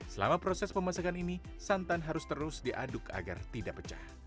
selama proses pemasakan ini santan harus terus diaduk agar tidak pecah